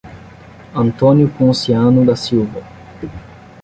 Antônio Ponciano da Silva